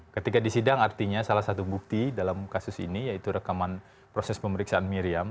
ketika disidang artinya salah satu bukti dalam kasus ini yaitu rekaman proses pemeriksaan miriam